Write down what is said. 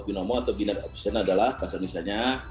tersangka binomo atau binat option adalah bahasa indonesia nya